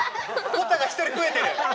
ポタが一人ふえてる。